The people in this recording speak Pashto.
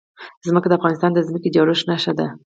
ځمکه د افغانستان د ځمکې د جوړښت نښه ده.